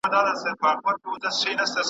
¬ چي پيلان ساتې، دروازې به لوړي جوړوې.